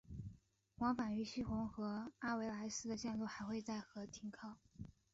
往返于希洪和阿维莱斯的线路还会在和停靠。